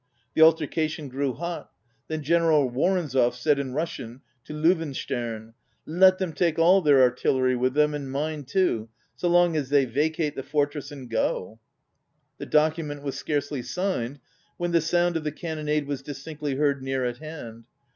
The alter cation grew hot. Then General Woronzof said in Russian to L├Č wenstern: "Let them take all their artillery with them, and mine too, so long as they vacate the fortress and go!" The document was scarcely signed when the sound of the cannonade was distinctly heard near at hand.